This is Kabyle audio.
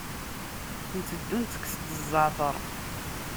Nteddu ntekkes-d zzeɛter.